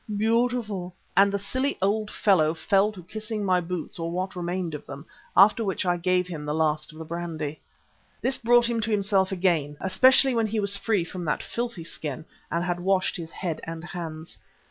Beautiful!" and the silly old fellow fell to kissing my boots, or what remained of them, after which I gave him the last of the brandy. This quite brought him to himself again, especially when he was free from that filthy skin and had washed his head and hands.